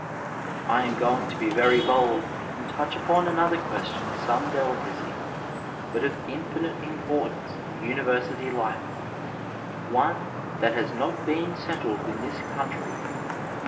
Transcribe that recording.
^ I am going to be very bold and touch upon another ques tion of some delicacy, but of infinite importance in univer sity life : one that has not been settled in this country.